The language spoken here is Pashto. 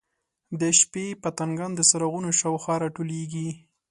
د شپې پتنګان د څراغونو شاوخوا راټولیږي.